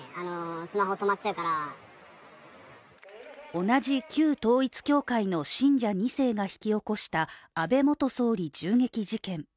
同じ旧統一教会の信者２世が引き起こした安倍元総理銃撃事件。